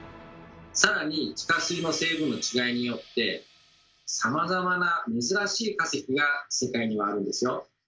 更に地下水の成分の違いによってさまざまな珍しい化石が世界にはあるんですよ。